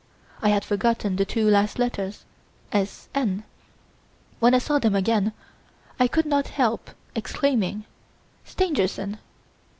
I had forgotten the two last letters, S. N. When I saw them again I could not help exclaiming, 'Stangerson!